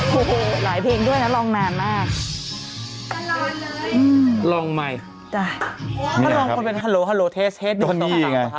แกว้าแกว้าแกว้า